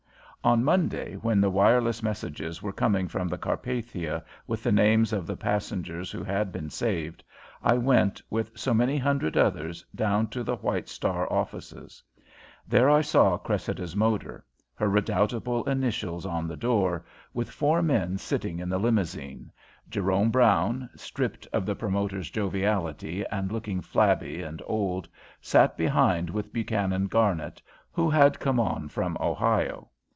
On Monday, when the wireless messages were coming from the Carpathia with the names of the passengers who had been saved, I went, with so many hundred others, down to the White Star offices. There I saw Cressida's motor, her redoubtable initials on the door, with four men sitting in the limousine. Jerome Brown, stripped of the promoter's joviality and looking flabby and old, sat behind with Buchanan Garnet, who had come on from Ohio.